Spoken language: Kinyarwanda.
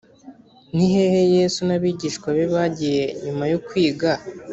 ni hehe yesu n abigishwa be bagiye nyuma yo kwiga